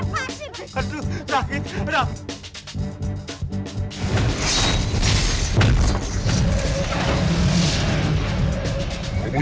asli aja misalnya